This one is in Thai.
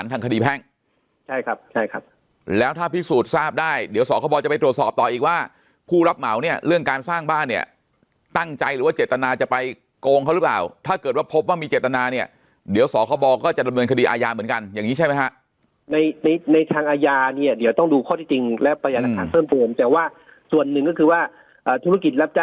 ใช่ครับใช่ครับแล้วถ้าพิสูจน์ทราบได้เดี๋ยวสอครบอจะไปตรวจสอบต่ออีกว่าผู้รับเหมาเนี้ยเรื่องการสร้างบ้านเนี้ยตั้งใจหรือว่าเจตนาจะไปโกงเขาหรือเปล่าถ้าเกิดว่าพบว่ามีเจตนาเนี้ยเดี๋ยวสอครบอก็จะดำเนินคดีอาญาเหมือนกันอย่างนี้ใช่ไหมฮะในในในทางอาญาเนี้ยเดี๋ยวต้องดูข้อที่จร